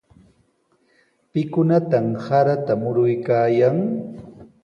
¿Pikunataq sarata muruykaayan?